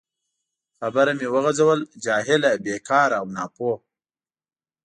خبره مې وغځول: جاهله، بیکاره او ناپوه.